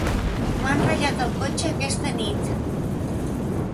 M'han ratllat el cotxe aquesta nit.